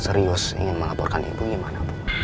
serius ingin melaporkan ibunya mana